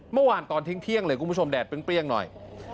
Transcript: เมื่อวานตอนทิ้งเที่ยงเลยคุณผู้ชมแดดเปรี้ยงหน่อย